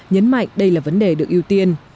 nhấn mạnh đây là vấn đề được ưu tiên